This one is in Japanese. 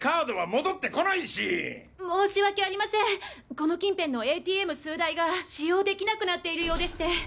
この近辺のＡＴＭ数台が使用できなくなっているようでして。